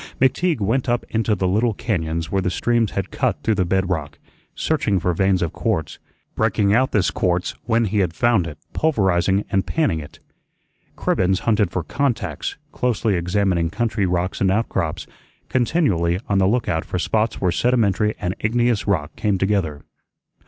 McTeague went up into the little cañóns where the streams had cut through the bed rock, searching for veins of quartz, breaking out this quartz when he had found it, pulverizing and panning it. Cribbens hunted for "contacts," closely examining country rocks and out crops, continually on the lookout for spots where sedimentary and igneous rock came together.